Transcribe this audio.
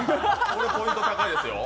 ポイント高いですよ。